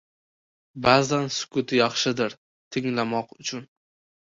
Ba’zan sukut yaxshidir, tinglamoq uchun.